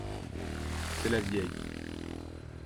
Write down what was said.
c'est la vieille